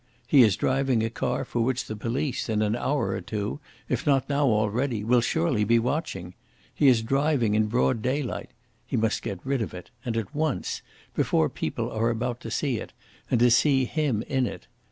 He is driving a car for which the police in an hour or two, if not now already, will be surely watching. He is driving it in broad daylight. He must get rid of it, and at once, before people are about to see it, and to see him in it.